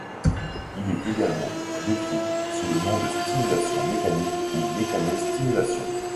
Il est également décrit sous le nom de stimulation mécanique ou mécano-stimulation.